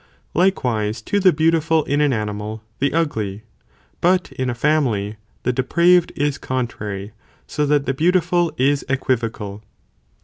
Likewise to the beau tiful in an animal, the ugly, but in a family, the depraved (is contrary), 80 that the heautiful is equivocal.